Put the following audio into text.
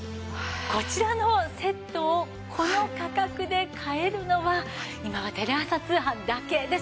こちらのセットをこの価格で買えるのは今はテレ朝通販だけです。